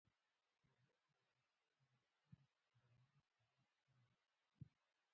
بادام د افغانستان د موسم د بدلون سبب کېږي.